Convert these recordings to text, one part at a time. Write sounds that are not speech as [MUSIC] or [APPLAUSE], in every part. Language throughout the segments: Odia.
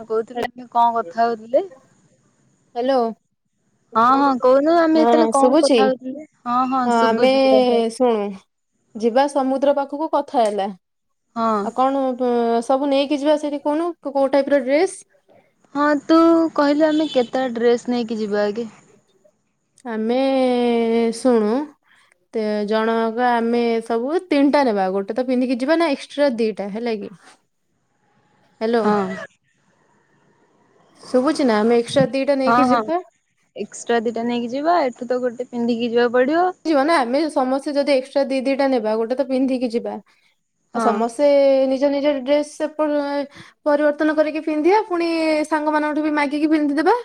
ହଁ କହୁଥିଲି ଆମେ କଣ କଥା ହଉଥିଲେ ହ୍ୟାଲୋ। ହଁ ହଁ କହୁନୁ ଆମେ ସେତେବେଳେ ହଁ କଣ ଶୁଭୁଛି କଥା ହଉଥିଲେ? ହଁ ଆମେ ଶୁଭୁଛି ପୁରା ଭଲ। ଶୁଣୁ ଯିବା ସମୁଦ୍ର ପାଖକୁ କଥା ହେଲା ହଁ ଆଉ କଣ ସବୁ ନେଇକି ଯିବା ସେଇଠି କଣ କୋଉ ଟାଇପ ର ଡ୍ରେସ? ହଁ ତୁ କହିଲୁ ଆମେ କେତେ ଡ୍ରେସ୍ ନେଇକି ଯିବା ଆଗେ। ଆମେ ଶୁଣୁ ତ ଜଣକ ଆମେ ସବୁ ତିନିଟା ନେବା ଗୋଟେ ତ ପିନ୍ଧିକି ଯିବା ନା ଏକ୍ସଟ୍ରା ଦିଟା ହେଲା କିି। [UNINTELLIGIBLE] ହ୍ୟାଲୋ ହଁ ଶୁଭୁଛି ନା ଆମେ- ଏକ୍ସଟ୍ରା ଦିଟା ହଁ ନେଇକି ହଁ ଯିବା ଏକ୍ସଟ୍ରା ଦିଟା ନେଇକି ଯିବା ଏଠୁ ତ ଗୋଟେ ପିନ୍ଧିକି ଯିବା। ଯିବ ନା ଆମେ ସମସ୍ତେ ଯଦି ଏକ୍ସଟ୍ରା ଦି ଦିଟା ନେବା ଗୋଟେ ତ ପିନ୍ଧିକି ଯିବା। ଆଉ ହଁ ସମସ୍ତେ ନିଜ ନିଜ ଡ୍ରେସ ସେ ପରିବର୍ତ୍ତନ କରିକି ପିନ୍ଧିବା ପୁଣି ସାଙ୍ଗ ମାନଙ୍କଠୁ ବି ମାଗିକି ପିନ୍ଧିଦବା।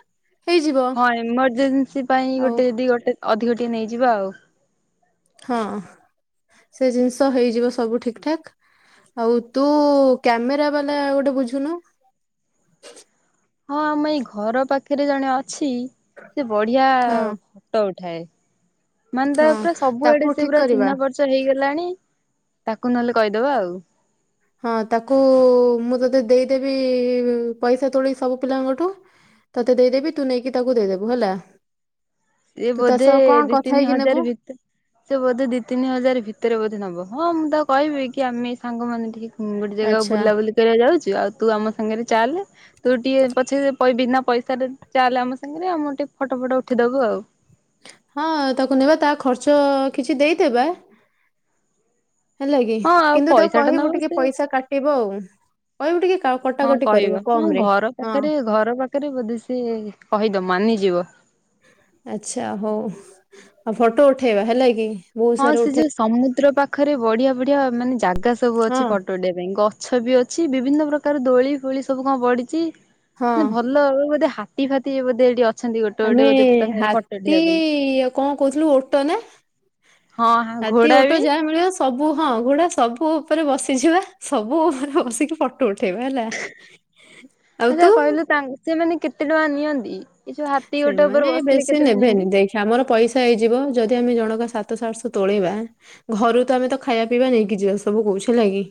ହଁ ଏମର୍ଜେନ୍ସି ପାଇଁ ଆଉ ଗୋଟେ ଯଦି ଗୋଟେ ଅଧିକ ଟିକିଏ ନେଇଯିବା ଆଉ। ହଁ ସେ ଜିନିଷ ହେଇଯିବ ସବୁ ଠିକ ଠାକ୍। ଆଉ ତୁ କ୍ୟାମେରା ବାଲା ଗୋଟେ ବୁଝୁନୁ। ହଁ ଆମ ଏଇ ଘର ପାଖରେ ଜଣେ ଅଛି ସେ ବଢିଆ ହଁ ଫଟୋଟେ ଉଥାଏ ମାନେ ତା ହଁ ପୁରା ସବୁଆଡେ ତାକୁ ସେ ଠିକ ପୁରା କରିବା ଚିହ୍ନା ପରିଚ ହେଇଗଲାଣି। ତାକୁ ନହେଲେ କହିଦବା ଆଉ। ହଁ ତାକୁ ମୁଁ ତଦେ ଦେଇଦେବି ପଇସା ତୋଳି ସବୁ ପିଲାଙ୍କଠୁ ତତେ ଦେଇଦେବି ତୁ ନେଇକି ତାକୁ ଦେଇଦେବୁ ହେଲା। ଏ ତୁ ତା ବୋଧେ ସହ କଣ ଦି କଥା ତିନି ହେଇକି ନେବୁ ହଜାର ଭିତରେ ସେ ବୋଧେ ଦି ତିନି ହଜାର ଭିତରେ ବୋଧେ ନବ ହଁ ମୁଁ ତା କହିବି କି ଆମେ ସାଙ୍ଗମାନେ ଟିକେ ଗୋଟେ ଜାଗା ଆଚ୍ଛା ବୁଲାବୁଲି କରିବା ଯାଉଛୁ ଆଉ ତୁ ଆମ ସାଙ୍ଗରେ ଚାଲେ। ତୁ ଟିକେ ପଛେ ବିନା ପଇସାରେ ଚାଲେ ଆମ ସାଙ୍ଗରେ ଆ ମୁଁ ଟିକେ ଫଟୋ ଫଟ ଉଠିଦବୁ ଆଉ। ହଁ ତାକୁ ନେବା ତା ଖର୍ଚ୍ଚ କିଛି ଦେଇଦବା। ହେଲା କି ହଁ ଆଉ କିନ୍ତୁ ତାକୁ ପଇସା ଟା ନବ କହିବୁ ଟିକେ ସେ ପଇସା କାଟିବ ଆଉ। କହିବୁ ଟିକେ କା ହଁ କଟାକଟି କରିବ କହିବାଁ କମ ରେ ଘର ହଁ ପାଖରେ ଘର ପାଖରେ ବୋଧେ ସି କହିଦ ତ ମାନିଯିବ। ଆଛା ହଉ ଆଉ ଫଟୋ ଉଠେଇବା ହେଲା କି। ବହୁତ ହଁ ସାରା ସେ ଉଠେଇ ଯୋଉ ସମୁଦ୍ର ପାଖରେ ବଢିଆ ବଢିଆ ମାନେ ଜାଗା ଜାଗା ସବୁ ହଁ ଅଛି ଫଟୋ ଉଡେଇିବା ପାଇଁ ଗଛ ବି ଅଛି ବିଭିନ୍ନ ପ୍ରକାର ଦୋଳି ଫୋଳି ସବୁ କଣ ପଡିଛି। ହଁ ମେ ଭଲ ବୋଧେ ହାତୀ ଫାଟି ବୋଧେ ଏଠି ଅ ଆମେ ହାତୀ କଣ କହୁଥିଲୁ ଓଟ ନା? ହଁ ହଁ ହାତୀ ଘୋଡା ଓଟୋ ବି ଯାହା ମିଳିବ ସବୁ ହଁ ଘୋଡା ସବୁ ଉପରେ ବସିଯିବା ସବୁ ଉପରେ ବସିକି ପ ଫୋଟ ଉଠେଇବା ହେଲା। ଆଉ ଆଚ୍ଛା ତୁ କହିଲୁ ତାଙ୍କ ସେମାନେ କେତେ ଟଙ୍କା ନିଅନ୍ତି? ଏ ଯୋଉ ହାତୀ ଗୋଟେ ଉପରେ ସେମାନେ ବସିଲେ ବେଶୀ କେତେ ଟଙ୍କା ନେବେନି ନିଅନ୍ତି? ଦେଖି ଆମର ପଇସା ହେଇଯିବ ଯଦି ଆମେ ଜଣଙ୍କ ସା ସାତ ସାତଶ ତୋଳେଇବା ଘରୁ ତ ଆମେ ତ ଖାଇବା ପିଇବା ନେଇକି ଯିବା ସବୁ କହୁଛ ହେଲା କିି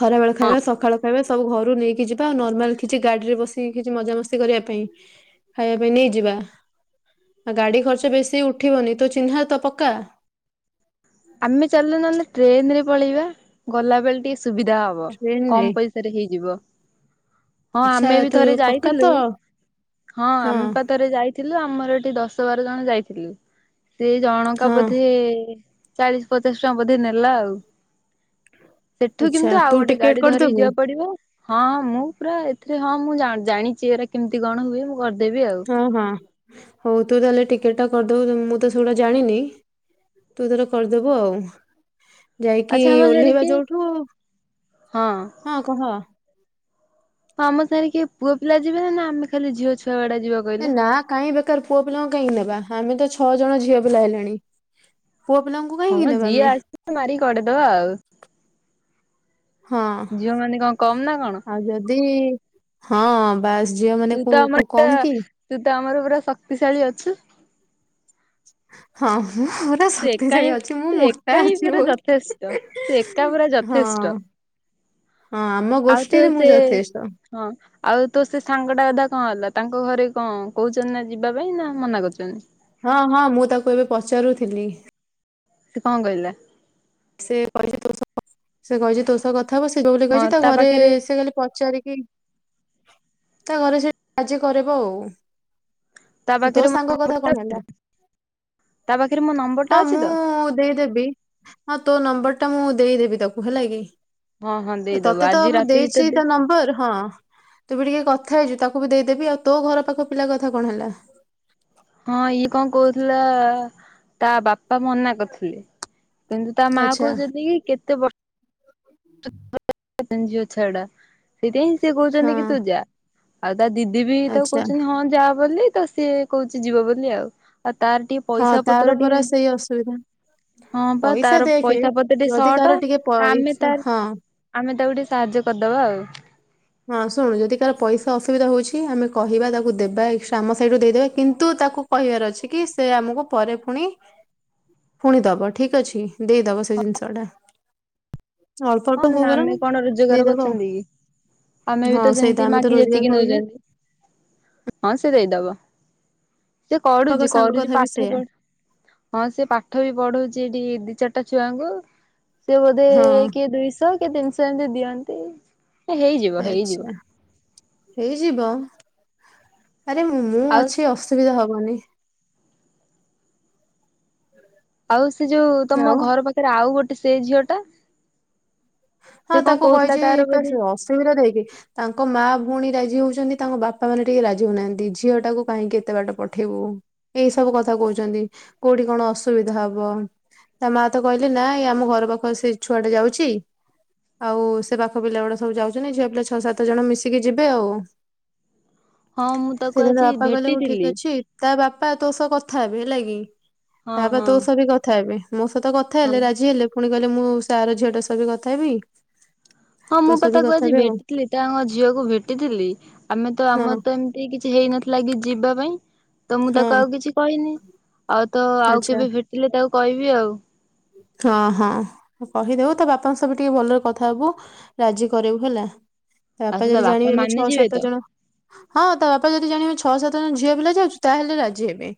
ଖରା ବେଳ ଖାଇବା ସକାଳ ଖାଇବା ସବୁ ଘରୁ ନେଇକି ଯିବା ଆଉ ନର୍ମାଲ କିଛି ଗାଡି ରେ ବସିକି କିଛି ମଜାମସ୍ତି କରିବା ପାଇଁ ଖାଇବା ପାଇଁ ନେଇଯିବା। ଆ ଗାଡି ଖର୍ଚ ବେଶୀ ଉଠିବନି ତୁ ଚିହ୍ନା ତ ପକ୍କା? ଆମେ ଚାଲୁ ନହେଲେ ଟ୍ରେନ ରେ ପଳେଇବା ଗଲାବେଳେ ଟିକେ ସୁବିଧା ହବ ଟ୍ରେନରେ କମ ପଇସାରେ ହେଇଯିବ। ହଁ ଆଚ୍ଛା ଆମେ ବି ତୁ ଥରେ ପକ୍କା ତ ଯାଇଥିଲୁ ହଁ ଆମେ ପା ଥରେ ଯାଇଥିଲୁ ଆମର ଏ ସେ ଦଶ ବାର ଜଣ ଯାଇଥିଲୁ ସେ ଜଣଙ୍କା ହଁ ବୋଧେ ଚାଳିଶି ପଚାଶ ଟଙ୍କା ବୋଧେ ନେଲା ଆଉ। ସେଠୁ ଆଚ୍ଛା କିନ୍ତୁ ଆଉ ତୁ ଗୋଟେ ଟିକେଟ ଗାଡ଼ି ଧରିକି କରିଦବୁ ଯିବାକୁ ପଡ଼ିବ। ହଁଁ ମୁଁ ପୁରା ଏଥିରେ ହଁ ମୁଁ ଜାଣିଚି ଏରା କେମିତି କଣ ହୁଏ ମୁଁ କରି ହଁ ହଁ ହଉ ତୁ ତାହେଲେ ଟିକେଟ୍ ଟା କରିଦବୁ ମୁଁ ତ ସେଗୁଡ଼ା ଜାଣିନି। ତୁ ତୋର କରିଦବୁ ଆଉ। ଯାଇକି ଆଚ୍ଛା ଆମ ସାଙ୍ଗରେ ଓହ୍ଲେଇବା କିଏ ଯୋଉଠୁ ହଁ ହଁ କହ। ହଁ ଆମ ସାଙ୍ଗରେ କିଏ ପୁଅ ପିଲା ଯିବେ ନା ନା ଆମେ ଖାଲି ଝିଅ ଛୁଆ ଗୁଡା ଯିବା କହିଲ? ନା କାଇଁ ବେକାର ପୁଅ ପିଲାଙ୍କୁ କାହିଁକି ନେବା ଆମେ ତ ଛଅ ଜଣ ଝିଅ ପିଲା ହେଲେଣି। ପୁଅ ପିଲାଙ୍କୁ କାହିଁକି ହଁ ନବା ଯିଏ ଆମେ। ଆସିବ ମାରିକି ଗଡେଇଦବା ଆଉ ହଁ ଝିଅ ମାନେ କଣ କମ୍ ନା କଣ ଆଉ ଯଦି ହଁ ବାସ୍ ଝିଅ ମାନେ ତୁ ତ କୋଉ କୋଉ ଆମର କମ କି ତୁ ତ ଆମର ପୁରା ଶକ୍ତିଶାଳୀ ଅଛୁ। ହଁ। ମୁଁ ପୁରା ତୁ ଏକା ହିଁ ଶକ୍ତିଶାଳୀ ଅଛି ମୁଁ ତୁ ଏକା ମୋଟା ହିଁ ଅଛି ପୁରା ଯଥେଷ୍ଟ ବହୁତ ତୁ ଏକା ହଁ। ପୁରା [INAUDIBLE] ଯଥେଷ୍ଟ। ଆମ ଆଉ ତୋ ଗୋଷ୍ଠୀରେ ମୁଁ ସେ ଯଥେଷ୍ଟ ହଁ ଆଉ ତୋ ସେ ସାଙ୍ଗ ଟା କଥା କଣ ହେଲା। ତାଙ୍କ ଘରେ କଣ କହୁଛନ୍ତି ନା ଯିବା ପାଇଁ ନା ମନା କରୁଛନ୍ତି। ହଁ ହଁ ମୁଁ ତାକୁ ଏବେ ପଚାରୁଥିଲି। ସେ କଣ କହିଲା। ସେ କହିଚି ତୋ ସହ କ ସେ କହିଚି ତୋ ସହ କ କଥାହବ ସେ ଯୋଉଟି ହଁ କହିଚି ତା ଘରେ ପାଖରେ ସେ କାଲି ପଚାରିକି ତା ଘରେ ସେଠି ରାଜି କରିବ ତା ଆଉ। ତୋ ପାଖରେ ମୋ ସାଙ୍ଗ କଥା ନମ୍ବରଟା କଣ ହେଲା। ତା ପାଖରେ ମୋ ନମ୍ବରଟା ହଁ ଅଛି ତ ମୁଁ ଦେଇଦେବି। ହଁ ତୋ ନମ୍ବର ଟା ମୁଁ ଦେଇଦେବି ତାକୁ ହେଲା କି। ହଁ ହଁ ଦେଇଦବୁ ତତେ ତ ଆଜି ମୁଁ ରାତି ଭିତରେ ଦେଇଚି ଦେଇ ତା ନମ୍ବର ହଁ ତୁ ବି ଟିକେ କଥା ହେଇଚୁ ତାକୁ ତାକୁ ବି ଦେଇଦେବି ଆଉ ତୋ ଘର ପାଖ ପିଲା କଥା କଣ ହେଲା। ହଁ ଇଏ କଣ କହୁଥିଲା ତା ବାପା ମନା କରିଥିଲେ। କିନ୍ତୁ ତା ମା ଆଚ୍ଛା କହୁଛନ୍ତି କି କେତେ ବର୍ଷ ଝିଅ ଛଡ଼ା ସେଇଥି ପାଇଁ ସିଏ ହଁ କହୁଛନ୍ତି କି ତୁ ଯା ଆଉ ତା ଦିଦି ବି ତ ଆଚ୍ଛା କହୁଛନ୍ତି ହଁ ଯା ବୋଲି ତ ସିଏ କହୁଚି ଯିବ ବୋଲି ଆଉ। ଆଉ ତାର ଟିକେ ହଁ ପଇସା ତାର ପତ୍ର ପରା ଟିକେ ସେଇ ଅସୁବିଧା ହଁ ପା ପଇସା ତାର ଦେଖେ ପଇସା ପତ୍ର ଟିକେ ଯଦି ସଟ୍ କାହାର ଟିକେ ଆମେ ପଇସା ତାର ହଁ ଆମେ ତାକୁ ଟିକେ ସାହାଯ୍ୟ କରିଦବା ଆଉ। ହଁ ଶୁଣୁ ଯଦି କାହାର ପଇସା ଅସୁବିଧା ହଉଚି ଆମେ କହିବା ତାକୁ ଦେବା ଏକ୍ସଟ୍ରା ଆମ ସାଇଡୁ ଦେଇଦେବା କିନ୍ତୁ ତାକୁ କହିବାର ଅଛି କି ସେ ଆମକୁ ପରେ ପୁଣି ପୁଣିଦବ ଠିକ୍ ଅଛି ଦେଇଦବ ସେ ଜିନିଷଟା। ଅଳ୍ପ ଅଳ୍ପ ହଉନ ହଉ ନା ବରଂ ଆମେ କଣ ରୋଜଗାର ଦେଇଦବ ଆଉ କରିଚନ୍ତି କି। ଆମେ ବି ହଁ ତ ସେଇଟା ସେମିତି ଆମେ ତ ମାଗି ରୋଜଗାର ଯାଚିକି କରୁନେ ନଉଛନ୍ତି ହଁ ସେ ଦେଇଦବ ସେ ପାଖ କରୁଛି ସାଙ୍ଗ କରୁଛି କଥା ବି ପାଠ ସେଇଆ ପଢ ହଁ ସେ ପାଠ ବି ପଢଉଛି ସିଏ ଏଟି ଦି ଚାରିଟା ଛୁଆଙ୍କୁ ସିଏ ବୋଧେ ହଁ କିଏ ଦୁଇଶହ କି ତିନିଶହ ଏମିତି ଦିଅନ୍ତି। ହେଇଯିବ ହେଇଯିବ ଆଛା ହେଇଯିବ। ଆରେ ମୁଁ ଆଉ ଅଛି ଅସୁବିଧା ହବନି। ଆଉ ସେ ଯୋଉ ତମ ଆଉ ଘର ପାଖରେ ଆଉ ଗୋଟେ ସେ ଝିଅଟା। ହଁ ତାକୁ କହିଚି ଅସୁବିଧା ଦେଖେ ତାଙ୍କ ମା ଭଉଣୀ ରାଜି ହଉଚି ତାଙ୍କ ବାପାମାନେ ଟିକେ ରାଜି ହଉନାହାନ୍ତି ଝିଅ ଟାକୁ କାହିଁକି ଏତେ ବାଟ ପଠେଇବୁ ଏଇ ସବୁ କଥା କହୁଛନ୍ତି କୋଉଠି କଣ ଅସୁବିଧା ହବ। ତା ମା ତ କହିଲେ ନା ଆମ ଘର ପାଖରେ ସେ ଛୁଆଟା ଯାଉଛି ଆଉ ସେ ପାଖ ପିଲା ଗୁଡେ ସବୁ ଯାଉଛନ୍ତି ଝିଅ ପିଲା ଛଅ ସାତ ଜଣ ମିଶିକି ଯିବେ ଆଉ। ହଁ ମୁଁ ତାକୁ ସେଦିନ ତ ଆଜି ବାପା କହିଲ ମୁ ଠିକ ଭେଟିଥିଲି ଅଛି ତା ବାପା ତାପ ତୋଷ କଥା ହେବ ହେଲା କିି ହଁ ତାପ ହଁ ତୋଷ ବି କଥା ହେବ। ମୋ ସହିତ କଥା ହଁ। ହେଲେ ରାଜି ହେଲେ ପୁଣି କହିଲେ ମୁଁ ସାର ଝିଅଟା ସ ବି କଥା ହେବି। ହଁ ମୁଁ ତୋ ପା ସହ ବି ତାକୁ କଥା ଆଜି ହେବେ ଆଉ ଭେଟିଥିଲି ତାଙ୍କ ଝିଅକୁ ଭେଟିଥିଲି ଆମେ ତ ହଁ ଆମର ତ ଏମିତି କିଛି ହେଇନଥିଲା କି ଯିବା ପାଇଁ। ତ ମୁଁ ତାକୁ ହଁ ଆଉ କିଛି କହିନି ଆଉ ତ ଆଉ ଆଚ୍ଛା କେବେ ଫେଟିଲେ ତାକୁ କହିବି ଆଉ। ହଁ ହଁ କହିଦେବୁ ତା ବାପାଙ୍କ ସବୁ ଟିକେ ଭଲରେ କଥା ହବୁ ରାଜି କରରେବୁ ହେଲା। ତା ଆଉ ବାପା ସେ ତା ଯଦି ଜାଣିବେ ଆମେ ଛଅ ମାନିଯିବେ ସାତ ତ। ଜଣ ହଁ ତା ବାପା ଯଦି ଜାଣିବେମେ ଛଅ ସାତ ଝିଅ ପିଲା ଯାଉଛୁ ତାହେଲେ ରାଜି ହେବେ।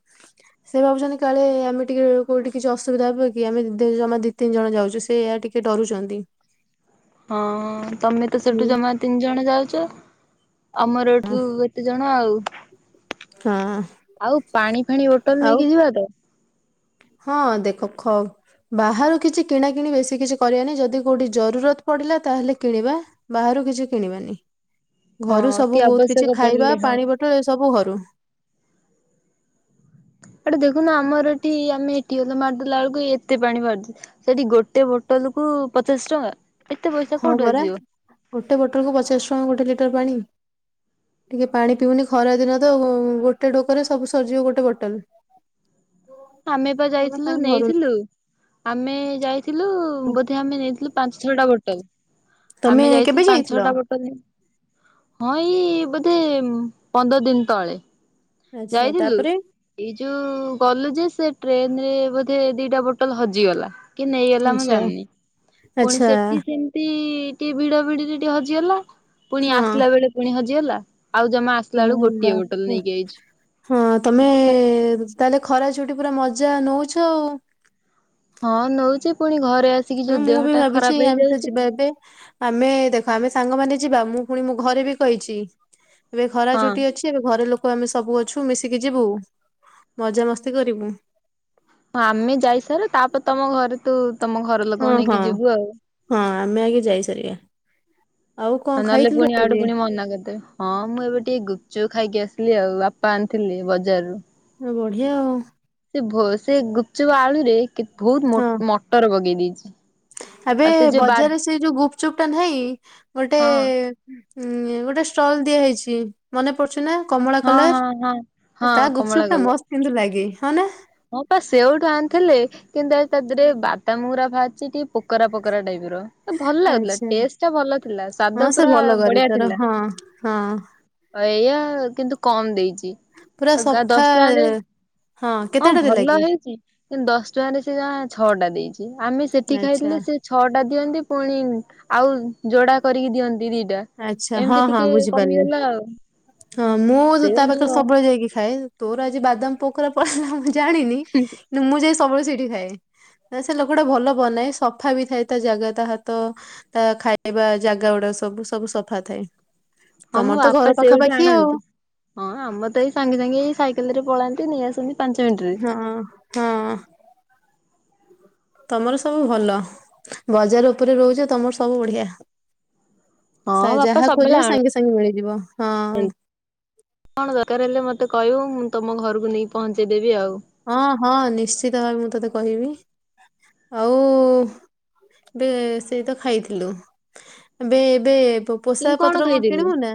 ସେ ଭାବୁଛନ୍ତି କାଳେ ଆମେ ଟିକେ କୋଉଠି କିଛି ଅସୁବିଧା ହୁ କି କି ଆମେ ଜମା ଦି ତିନି ଜଣ ଯାଉଛୁ ସେ ଏହା ଟିକେ ଡରୁଛନ୍ତି। ହଁ ତମେ ତ ହୁଁ ସେଠୁ ଜମା ତିନି ଜଣ ଯାଉଛ। ଆମର ଏଠୁ କେତେ ଜଣ ଆଉ। ହଁ ଆଉ ପାଣି ଫାଣି ବୋଟଲ ଆଉ ନେଇକି ଯିବା ତ। ହଁ ଦେଖ ଖ ବାହାରୁ କିଛି କିଣା କିିଣି ବେଶୀ କିଛି କରିବାନି ଯଦି କୋଉଠି ଜରୁରତ ପଡିଲା ତାହେଲେ କିଣିବା ବାହାରୁ ରୁ କିଛି କିଣିବାନି। ହଁ ଘରୁ ଅତି ସବୁ ବହୁତ ଆବଶ୍ୟକ କିଛି ଖାଇବା ପଡିଲେ ହଁ। ପାଣି ବୋଟଲ ଏ ସବୁ ଘରୁ। ଏଠି ଦେଖୁନୁ ଆମର ଏଠି ଆମେ ଏଠି ଟିଆଲ ମାରିଦେଲା ବେଳକୁ ଏତେ ପାଣି ମାରିଦୁ ସେଠି ଗୋଟେ ବୋଟଲ କୁ କୁ ପଚାଶ ଟଙ୍କା। ଏତେ ପଇସା ହଁ କୋଉଠୁ ପରା ଆସିବ? ଗୋଟେ ବୋଟଲ କୁ ପଚାଶ ଟଙ୍କା ଗୋଟେ ଲିଟର ପାଣି। ଟିକେ ପାଣି ପିଉନି ଖରା ଦିନ ତ ଗୋଟେ ଡୋକରେ ସବୁ ସରିଯିବ ଗୋଟେ ବୋଟଲ। ଆମେ ବା ତମେ ଯାଇଥିଲୁ କାହିଁ ଘରୁ ନେଇଥିଲୁ ଆମେ ଯାଇଥିଲୁ ବୋଧେ ଆମେ ନେଇଥିଲୁ ପାଞ୍ଚ ଛଅଟା ବୋଟଲ ତମେ ଆମେ କେବେ ଯାଇଥିଲୁ ପାଞ୍ଚ ଯାଇଥିଲ? ଛଅଟା ବୋଟଲ ହଁ ଏଇ ବୋଧେ ପନ୍ଦର ଦିନ ତଳେ। ଆଚ୍ଛା ଯାଇଥିଲୁ ତାପରେ ଏଇ ଯୋଉ କଲୁ ଯେ ସେ ଟ୍ରେନ ରେ ବୋଧେ ଦିଟା ବୋଟଲ ହଜିଗଲା। କି ନେଇଗଲା ମୁଁ ଆଚ୍ଛା ଜାମିନି ପୁଣି ଆଚ୍ଛା ସେଠି ସେମତି ଟିକେ ଭିଡ ଭିଡିରେ ଟିକେ ହଜିଗଲା ପୁଣି ହଁ ଆସିଲା ବେଳେ ପୁଣି ହଜିଗଲା। ଆଉ ଜମା ଆସିଲା ବଳ ଆରେ ଗୋଟିଏ ବାପ ବୋଟଲ ନେଇକି ଯାଇଛି। ହଁ ତମେ ତାହେଲେ ଖରା ଛୁଟି ପୁରା ମଜା ନଉଛ ଆଉ। ହଁ ନଉଛି ପୁଣି ଘରେ ଆସିକି ହଁ ଯୋଉ ମୁଁ ବି ଦେହଟା ଖରାପ ଭାବିଛି ଆମେ ତ ହେଇଯାଉଛି ଯିବା ଏବେ ଆମେ ଦେଖ ଆମେ ସାଙ୍ଗମାନେ ଯିବା ମୁଁ ପୁଣି ମୁ ଘରେ ବି କହିଛି ଏବେ ଖରା ହଁ। ଚୁଟି ଅଛି ଏବେ ଘରେ ଲୋକ କ ଆମେ ସବୁ ଅଛୁ ମିଶିକି ଯିବୁ ମଜାମସ୍ତି କରିବୁ। ହଁ ଆମେ ଯାଇସାରୁ ତାପରେ ତମ ଘରେ ତୁ ତମ ଘର ହଁ ଲୋକଙ୍କୁ ହଁ ନେଇକି ଯିବୁ ଆଉ। ହଁ ଆମେ ଆଗେ ଯାଇସାରିବା ଆଉ କଣ ନହେଲେ ଖାଇଥିଲୁ ପୁଣି ଆଡୁ ଆଜି? ପୁଣି ମନା କରିଦେ ହଁ ମୁଁ ଏବେ ଟିକେ ଗୁ ଚୁପ୍ ଖାଇକି ଆସିଲି ଆଉ ବାପା ଆଣିଥିଲି ବଜାରରୁ। ହ ବଢିଆ ଆଉ। ସେ ସେ ଗୁପଚୁପ ଆଳୁରେ ବହୁତ ମଟର ପକେଇ ଦେଇେଇଛି। ଏବେ ବଜାରରେ ସେଇ ଯୋଉ ଗୁପଚୁପ୍ ଟା ନାହିଁ ଗୋଟେ ହଁ ହଁ ଗୋଟେ ଷ୍ଟଲ ଦିଆ ହେଇଛି ମନେ ପଡୁଛି ନା। କମଳା ହଁ ହଁ ହଁ କଲର ହଁ ତା କମଳା ଗୁପଚୁପ୍ ଟା କଲର। ମସ୍ତ କିମନ୍ତୁ ଲାଗେ। ହଁ ନା ହଁ ପା ସେଉଠୁ ଆଣିଥିଲେ କିନ୍ତୁ ତା ଦେହରେ ବାଦାମ୍ ଗୁରା ଭାରି ସେ ଟିକେ ପୋକରା ପୋକରା ଟାଇପ ର। ଭଲ ଲାଗୁଥିଲା ଆଚ୍ଛା ଟେଷ୍ଟ ଟା ଭଲ ଥିଲା ସ୍ଵାଦ ହଁ ସେ ପୁରା ଭଲ କରେ ବଢିଆ ତାର ଥିଲା। ହଁ ହଁ। ଏଇଆ କିନ୍ତୁ କମ୍ ଦେଇଚି ପୁରା ଆ ଗା ଆଉ ସଫା ଦଶ ଟଙ୍କାରେ ହଁ କେତେଟା ଦେଲା ଭଲ କି? ହେଇଚି କିୁନ୍ତୁ ଦଶ ଟଙ୍କାରେ ସେ ଯମା ଛଅଟା ଦେଇଚି। ଆମେ ସେଠି ଆଚ୍ଛା ଖାଇଥିଲେ ସେ ଛଅ ଟା ଦିଅନ୍ତି ପୁଣି ଆଉ ଯୋଡା କରିକି ଦିଅନ୍ତି ଦିଇ ଟା ଆଚ୍ଛା ହଁ ଏମିତି ହଁ ଟିକେ ବୁଝିପାରିଲି କମିଗଲା ଆଉ। ହଁ ମୁଁ ସେଇ ତା ମୁଁ ପାଖରେ ସବୁବେଳେ ଯାଇକି ଖାଏ ତୋର ପୁରା ଆଜି ବାଦାମ ପୋକରା ପଳେଇଲା ହୁଁ ହୁଁ ମୁଁ ଜାଣିନି କିନ୍ତୁ ମୁଁ ଯାଇ ସବୁବେଳେ ସେଇଠି ଖାଏ। ନା ସେ ଲୋକଟା ଭଲ ବନାଏ ସଫା ବି ଥାଏ ତା ଜାଗା ତା ହାତ ତା ଖାଇବା ଜାଗା। ଗୁଡା ସବୁ ସବୁ ସଫା ଥାଏ। ହଁ ତମର ମୋ ତ ବାପା ଘର ସେଉଠୁ ପାଖାପାଖି ଆଉ ଆଣନ୍ତି ହଁ ଆମର ତ ଏଇ ସାଙ୍ଗେ ସାଙ୍ଗେ ଏଇ ସାଇକେଲ ରେ ପଳାନ୍ତି ନେଇ ଆ ହଁ ହଁ। ତମର ସବୁ ଭଲ ବଜାର ଉପରେ ରୋହୁଚ ତମର ସବୁ ବଢିଆ। ହଁ ବାପା ଯାହା ସବୁବେଳେ ଖୋଜିବ ଆଣନ୍ତି ସାଙ୍ଗେ ସାଙ୍ଗେ ମିଳିଯିବ ହଁ। କଣ ଦରକାର ହେଲେ ମତେ କହିବୁ ମୁଁ ତମ ଘରକୁ ନେଇକି ପହଞ୍ଚେଇ ଦେବି ଆଉ। ହଁ ହଁ ନିଶ୍ଚିତ ଭାବେ ମୁଁ ତୋତେ କହିବି। ଆଉ ଏବେ ସେଇ ତ ଖାଇଥିଲୁ ଏବେ ଏବେ ପୋ- ତୁ ପୋଷାକ ପତ୍ର କଣ ଖାଇଥିଲୁ? କିଣିବୁ ନା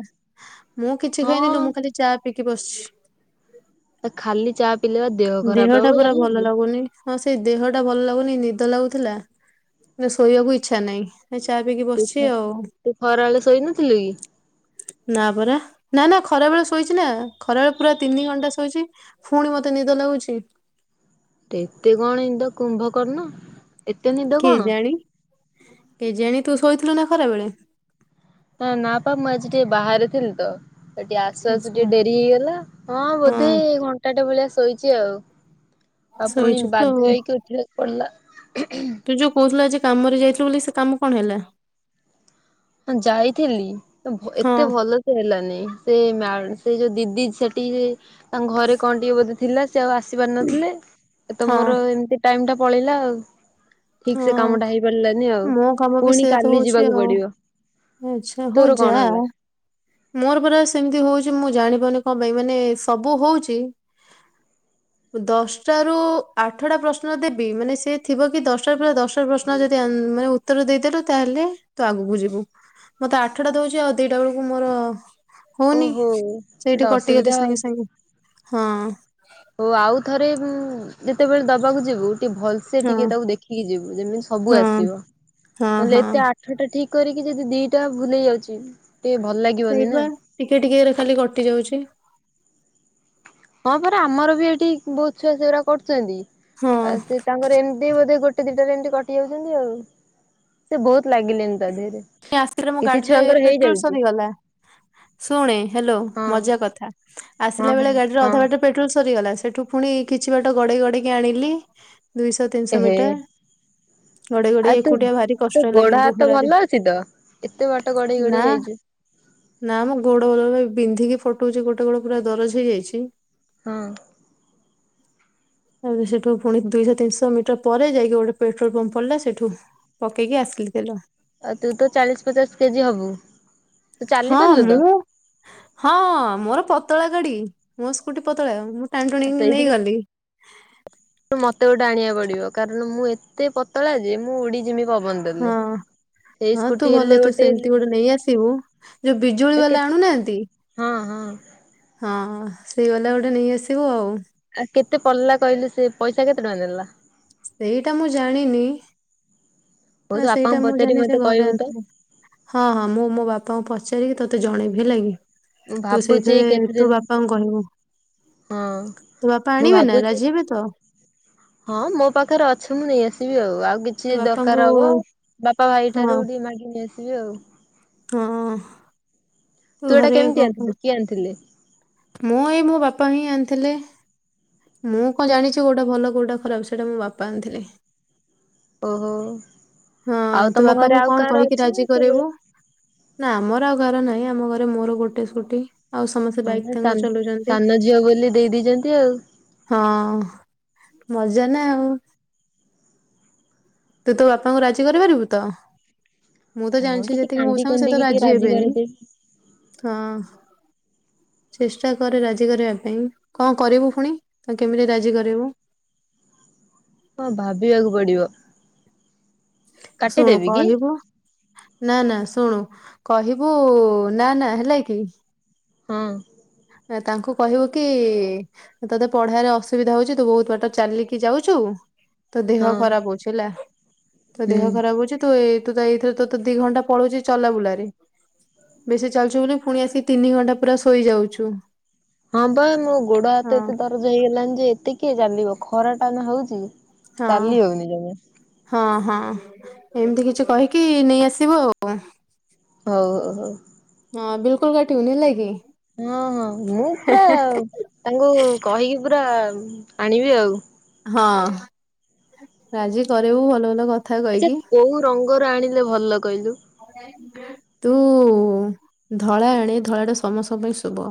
ମୁଁ କିଛି ଖାଇନିଲୋ ମୁଁ ହଁ ଖାଲି ଚା ପିି କି ବସିଚି। ଖାଲି ଚା ପିଇଲେ ବା ଦେହ ଖରାପ ଟା ହବ ପରା ଜାଣିନୁ ଭଲ କି? ଲାଗୁନି ହଁ ସେଇ ଦେହଟା ଭଲ ଲାଗୁନି ନି ଦ ଲାଗୁଥିଲା କିନ୍ତ ଶୋଇବାକୁ ଇଚ୍ଛା ନାହିଁ। ଏ ଚା ପିଇକି ତୁ ବସିଚି ଖ ଆଉ ତୁ ଖରାବେଳେ ଶୋଇନଥିଲୁ କି? ନା ପରା ନା ନା ଖରା ବେଳେ ଶୋଇଚି ନା ଖରା ବଳେ ପୁରା ତିନି ଘଣ୍ଟା ଶୋଇଚି ଫୁଣି ମ ତେ ନିଦ ଲାଗୁଚି। ଏତେ କଣ ନୀଦ କୁମ୍ଭକର୍ଣ୍ଣ। ଏତେ ନିଦ କେ କଣ? ଜାଣି କେ ଜାଣି ତୁ ଶୋଇଥିଲୁ ନା ଖରା ବେଳେ? ହଁ ନାଁ ପା ମୁଁ ଆଜି ଟିକେ ବାହାରେ ଥିଲିତ। ସେଟି ଆସୁ ଆସୁ ଆଚ୍ଛା ଟିକେ ଡେରି ହେଇଗଲା ହଁ ବୋଧେ ଘଣ୍ଟାଟେ ଭଳିଆ ଶୋଇ ଚି ଆଉ ଆଉ ପୁଣି ଶୋଇଛୁ ତ ଆଉ ବାଧ୍ୟ ହେଇକି ଉଠିବାକୁ ପଡିଲା। ତୁ ଯୋଉ କୋହୁଥିଲୁ ଆଜି କାମରେ ଯାଇଥିଲୁ ବୋଲି ସେ କାମ କଣ ହେଲା? ହଁ ଯାଇଥିଲି ତ ଭ ହଁ ଏତେ ଭଲ ଳସେ ହେଲାନି ସେ ମା ସେ ଯୋଉ ଦି ଇ ଝିଅଟି ତାଙ୍କ ଘରେ କଣ ଟିକେ ବୋଧେ ଥିଲା। ସିଏ ଆସିପାରୁ ନଥିଲେ ତ ହଁ ମୋର ଏମିତି ଟାଇମ୍ ଟା ପଳେଇଲା ଆଉ। ଠିକ୍‌ସେ ହଁ କାମଟା ହେଇପାରିଲାନି ଆଉ ମୋ କାମ ବି ପୁଣି ସେୟା ତ କାଲି ହଉଛି ଯିବାକୁ ଆଉ। ପଡିବ। ଆଚ୍ଛା ହୋଉ ତୋର ଯା କଣ ହେଲା? ମୋର ପରା ସେମିତି ହୋଉଚି ମୁଁ ଜାଣି ପା ମାନେ କପାଇଁ ମାନେ ସବୁ ହୋଉଚି। ଦଶଟା ରୁ ଆଠଟା ପ୍ରଶ୍ନ ଦେବି ମାନେ ସେ ଥିବ କି ଦଶ ଟା ଦଶ ପ୍ରଶ୍ନ ଯଦି ଆନ୍ ‌ମାନେ ଉତ୍ତର ଦେଇଦେଲୁ ତାହେଲେ ତୁ ଆଗକୁ ଯିବୁ। ମତେ ଆଠଟା ଦୋଉଚି ଆଉ ଦିଟା ବେଳକୁ ମୋର ହୋଉନି ଓହୋ ସେଇଠି ଏଟା ଅସୁବିଧା କଟିଗଲି ସାଙ୍ଗେ ସାଙ୍ଗେ ହଁ। ହୋଉ ଆଉ ଥରେ ଉଁ ଯେତେବେଳେ ଦବାକୁ ଯିବୁ ଟିକେ ଭଲ୍‌ସେ ହଁ ଟିକେ ତାକୁ ଦେଖିକି ଯିବୁ ଯେମିତି ସବୁ ହଁ ଆସିବ ହଁ ନହେଲେ ହଁ ଏତେ ଆଠଟା ଠିକ୍ କରିକି ଯଦି ଦିଟା ଭୁଲ ହେଇଯାଉଚି। ସେଇପା ଟିକେ ଟିକେରେ ଖାଲି କଟି ଯାଉଚି। ହଁ ପରା ଆମର ବି ଏଠି ବୋହୁତ ଛୁଆ ସେଇରା କରୁଚନ୍ତି। ହଁ ଆଉ ସେ ତାଙ୍କର ଏମିତି ବୋଧେ ଗୋଟେ ଦିଟାରେ ଏମିତି କଟି ଯାଉଚନ୍ତି ଆଉ ସେ ବୋହୁତ ସିଏ ଆସିଥିଲେ ମୋ ଗାଡିରେ ଛୁଆଙ୍କର ପେଟ୍ରୋଲ ହେଇଯାଉଛି ସରିଗଲା [INAUDIBLE] ଶୁଣେ ହା ଲୋ ହଁ ମଜା କଥା ହଁ ଆସିଲା ବେଳେ ହଁ ଗାଡିରେ ହଁ ଅଧା ବାଟ ରେ ପେଟ୍ରୋଲ ସରି ଗଲା ସେଠୁ ଫୁଣି କିଛି ବାଟ ଗଡେଇ ଗଡେଇକି ଆଣିଲି। ଦୁଇଶହ ତିନିଶହ ଏହେ। ମିଟର ଗଡେଇ ଗଡେଇ ଏକୁଟିଆ ଭାରି କଷ୍ଟ ହେଲା କିନ୍ତୁ। ତ ଖରାରେ ଭଲ ଅଛି ତ। ଏତେ ବାଟ ଗଢେଇ ନା ଗଢେଇ ଯାଇଚୁ। ନା ମୋ ଗୋଡ ବିନ୍ଧିକି ଫଟୋଉଚି ଗୋଟେ ଗୋଡ ପୁରା ଦରଜ ହେଇଯାଇଛି। ହଁ। [INAUDIBLE] ଆଉ ସେଠୁ ପୁଣି ଦୁଇଶହ ତିନିଶହ ମିଟର ପରେ ଯାଇକି ଗୋଟେ ପେଟ୍ରୋଲ ପମ୍ପ ପିଲଲା ସେଠୁ ପକେଇକି ଆ ଆସିଲି ତେଲ। ଆଉ ତୁ ତ ଚାଳିଶ୍ ପଚାଶ କେଜି ହବୁ ତୁ ଚାଲି ହଁ ପାରିଲୁ ତ ମୁଁ ହଁ ମୋର ପ ତଳା ଗାଡି ମୋ ସ୍କୁଟି ପତଳା ମୁଁ ଟାଣି ଟୁଣି କି ନେଇ ସେଇଥିପାଇଁ ଗଲି। ମତେ ଗୋଟେ ଆଣିବାକୁ ପଡିବ କାରଣ ମୁଁ ଏତେ ପତଳା ଯେ ମୁଁ ଉଡିଯିମି। ପବନ୍ ଦେଲେ। ହଁ ସେଇ ହଁ ସ୍କୁଟି ତୁ ହେଲେ ଭଲ ତୁ ସେମ୍‌ତି ଗୋଟେ ହେଲେ ନେଇ ଆସିବୁ ଯୋଉ ବିଜୁଳି କେ ବାଲା ଆଣୁନାହାନ୍ତି ହଁ ହଁ। ହଁ ସେଇ ଵାଲା ଗୋଟେ ନେଇଆସିବୁ ଆଉ। ଆଉ କେତେ ପଡ଼ିଲା କହିଲେ ସେ ପଇସା କେତେ ଟଙ୍କା ନେଲା ସେଇଟା ମୁଁ ଜାଣିନି ହଉ ନା ତୁ ସେଇଟା ବାପାଙ୍କୁ ମୁଁ ପଚାରି ଜାଣି ନେଇ ସେ ମତେ ଘରେ କହିବୁ ତ ଜାଣିଥିଲେ। ହଁ ହଁ ମୁଁ ମୋ ବାପାଙ୍କୁ ପଚା ଚାରିକି ତତେ ଜଣେଇବି ହେଲା କି ମୁଁ ତୁ ଭାବୁଛି ସେଇଥିରେ କେତେ ଦିନ ତୁ ବାପାଙ୍କୁ କହିବୁ। ହଁ ତୋ ବାପା ମୁଁ ଆଣିବେ ନା ଭାବୁଛି ରାଜିହେବେ ତ ହଁ ମୋ ପାଖରେ ଅଛି ମୁଁ ନେଇ ଆସିି ବି ଆଉ ଆଉ ତୋ କିଛି ବାପାଙ୍କୁ ଦରକାର ହବ ବାପା ଭାଇ ହଁ ଠାରୁ ଟିକେ ମାଗିନି ଆସିବି ଆଉ। ହଁ। ତୁ ଏଇଟା ଘରେ କ କେମିତି କ- ଆଣିଥିଲୁ କିଏ ଆଣିଥିଲେ? ମୁଁ ଏଇ ମୋ ବାପା ହିଁ ଆଣିଥିଲେ। ମୁଁ କଣ ଜାଣିଚି କୋଉଟା ଭଲ କୋଉଟା ଖରାପ ସେଇଟା ମୋ ବାପା ଆଣିଥିଲଥିଲେ। ଓହୋ। ହଁ ଆଉ ତୁ ତମ ଘରେ ବାପାଙ୍କୁ ଆଉ କଣ କାହାର କହିକି ଅଛି ରାଜି ନା କେବଳ କରେଇବୁ? ନା ଆମର ଆଉ ଘର ନାହିଁ ଆମ ଘରେ ମୋର ଗୋଟେ ସ୍କୁଟି। ଆଉ ସମସ୍ତେ ବାଇକ୍ ହଁ ସାନ ତାଙ୍ଗ ଚଲୋଉଚନ୍ତି ସାନ ଝିଅ ବୋଲି ଦେଇ ଦେଇଛନ୍ତି ଆଉ। ହଁ। ମଜା ନା ଆଉ। ତୁ ତୋ ବାପାଙ୍କୁ ରାଜି କରେଇ ପାରିବୁ ତ? ମୁଁ ତ ହଁ ଜାଣିଚି ଟିକେ ଯେତିକି କାନ୍ଦି ମୋଉସା ଙ୍କୁ ସେ ତ କୁନ୍ଦିକି ଟିକେ ରାଜି ହେବେନି କରିଦେବି ହଁ। ଚେଷ୍ଟା କରେ ରାଜି କରିବା ପାଇଁ କଣ କରିବୁ ପୁଣି ତା କେମିତି ରାଜି କରେଇବୁ? ହଁ ଭାବିବାକୁ ପଡିବ। ଶୁଣୁ କାଟିଦେବି କି କହିବୁ ନା ନା ଶୁଣୁ କହିବୁ ନା ନା ହେଲା କି ହଁ। ତାଙ୍କୁ କହିବୁ କି ତୋତେ ପଢାରେ ଅସୁବିଧା ହୋଉଛି ତୁ ବହୁତ ବାଟ ଚାଲିକି ଯାଉଚୁ ତୋ ହଁ ଦେହ ଖରାପ ହୋଉଚି ହେଲା। ତୋ ହୁଁ। ଦେହ ଖରାପ ହୋଉଚି ତୁ ଏ ତ ଏଇଥିରେ ତ ଦି ଘଣ୍ଟା ପଳଉଚି ଚଲାବୁଲାରେ। ବେଶୀ ଚାଲୁଚ ବୋଲି ପୁଣି ଆସିକି ତିନି ଘଣ୍ଟା ପୁରା ଶୋଇଯାଉଚୁ। ହଁ ପା ମୋ ଗୋଡ ହାତ ଏତେ ଦରଜ ହେଇଗଲାଣି ଯେ ଏତେ କିଏ ଚାଲିବ ଖରା ଟା ନା ହୋଉଚି। ହଁ ଚାଲି ହୋଉନି ଜମା। ହଁ ହଁ ଏମିତି କିଛି କହିକି ନେଇ ଆସିବୁ ଆଉ। ହୋଉ ହୋଉ ହୋଉ। ହଁ ବିଲକୁଲ କାଟିବୁନି ହେଲାକି ହଁ ହଁ ମୁଁ ପୁରା ତାଙ୍କୁ କହିକି ପୁରା ଆଣିବି ଆଉ। ହଁ ରାଜି କରେଇବୁ ଭଲ ଭଲ କଥା। ଆଚ୍ଛା କହିକି କୋଉ ରଙ୍ଗର ଆଣିଲେ ଭଲ କହିଲୁ। ତୁ ଧଳା ଆନେ ଧଳା ଟା ସମସ୍ତଙ୍କ ପାଇଁ ଶୁଭ।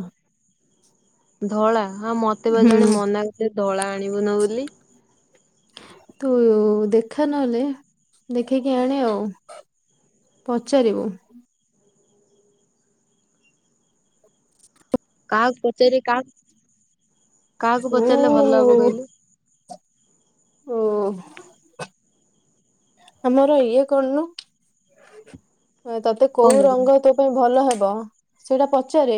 ଧଳା ହଁ ମତେ ବା ହୁଁ ଜଣେ ମନା କ ଧଳା ଆଣିବୁନୁ ବୋଲି। ତୁ ଦେଖା ନହେଲେ ଦେଖେଇକି ଆଣ ଆଉ। ପଚାରିବୁ। କାହାକୁ ପଚାରିଲି କାହାକୁ କାହାକୁ ଓ ପଚାରିଲେ ଭଲ ହବ କହିଲୁ। ଓ। ଆମର ଇଏ କଣନୁ। ତତେ କଣ କୋଉ କରିବି? ରଙ୍ଗ ତୋ ପାଇଁ ଭଲ ହବ ସେଇଟା ପଚାରେ।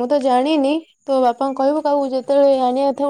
ମୁଁ ତ ଜାଣିନି। ତୋ ବାପାଙ୍କୁ କହିବୁ କାହାକୁ ଯେତେବେଳେ ଆଣିବା ଥାଉ